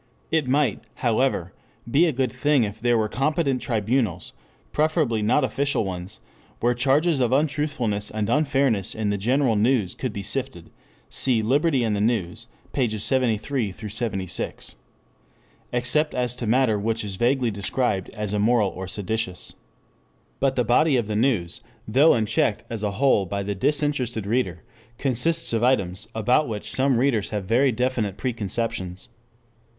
It might, however, be a good thing if there were competent tribunals, preferably not official ones, where charges of untruthfulness and unfairness in the general news could be sifted. Cf. Liberty and the News, pp. 73 76. ] except as to matter which is vaguely described as immoral or seditious. But the body of the news, though unchecked as a whole by the disinterested reader, consists of items about which some readers have very definite preconceptions.